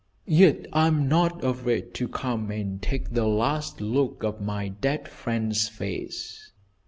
Yet I am not afraid to come and take the last look of my dead friend's face.